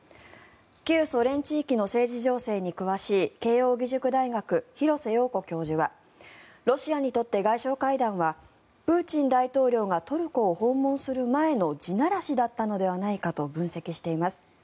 旧ソ連地域の政治情勢に詳しい慶応義塾大学廣瀬陽子教授はロシアにとって外相会談はプーチン大統領がトルコを訪問する前の地ならしだったのではないかと分析しています。